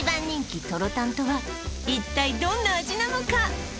一体どんな味なのか？